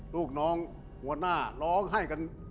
ลูกน้องหัวหน้าร้องไห้กัน